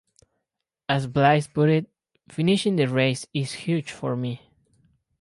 As Blais put it, Finishing the race is huge for me.